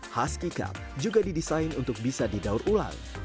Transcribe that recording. huski cup juga didesain untuk bisa didaur ulang